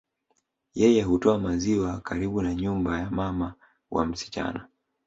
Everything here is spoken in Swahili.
Yeye hutoa maziwa karibu na nyumba ya mama wa msichana